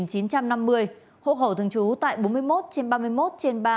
hộ khẩu thường trú tại bốn mươi một trên ba mươi một trên ba